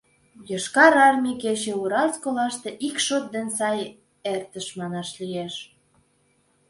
Йошкар армий кече Уральск олаште ик шот ден сай эртыш манаш лиеш.